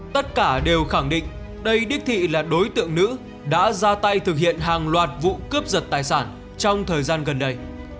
tất cả đều khẳng định đây đích thị là đối tượng nữ đã ra tay thực hiện hàng loạt vụ cướp giật tài sản trong thời gian gần đây